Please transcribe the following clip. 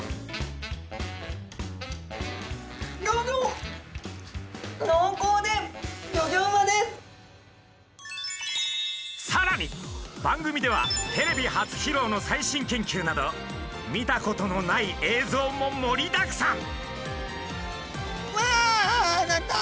のうこうでさらに番組ではテレビ初披露の最新研究など見たことのない映像も盛りだくさん！